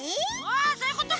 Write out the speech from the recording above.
そういうことか！